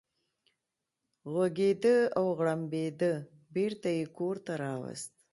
غوږېده او غړمبېده، بېرته یې کور ته راوست.